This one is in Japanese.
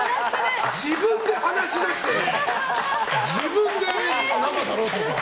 自分で話し出して自分で生だろ？とか。